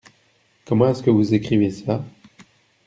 Comment est-ce que vous écrivez ça ?